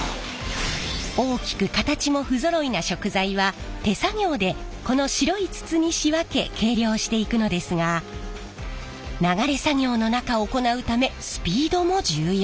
大きく形も不揃いな食材は手作業でこの白い筒に仕分け計量していくのですが流れ作業の中行うためスピードも重要。